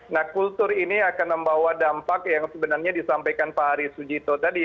nah kultur ini akan membawa dampak yang sebenarnya disampaikan pak hari sujito tadi